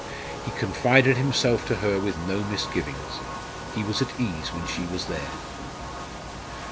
He confided himself to her with no misgivings. He was at ease when she was there.